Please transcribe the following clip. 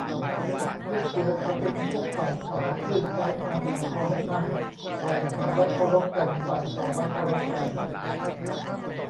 ลูกเสือเขาเป็นพวกฝ่ายขวา ยื่นซ้ายมาบีบคอให้มั่น ฝ่ายขวาไว้เคารพกัน ฝ่ายขวาไว้เคารพกัน